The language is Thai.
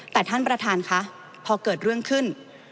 แต่ท่านประธานคะพอเกิดเรื่องขึ้น